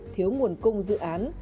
thiếu nguồn cung dự án